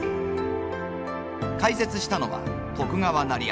開設したのは徳川斉昭。